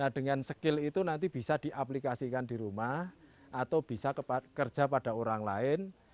nah dengan skill itu nanti bisa diaplikasikan di rumah atau bisa kerja pada orang lain